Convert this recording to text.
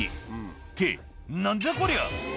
「って何じゃこりゃ！」